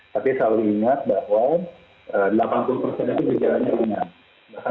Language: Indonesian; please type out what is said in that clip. tapi selalu ingat bahwa delapan puluh persen